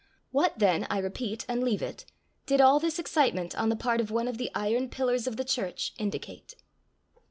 What, then, I repeat and leave it, did all this excitement on the part of one of the iron pillars of the church indicate?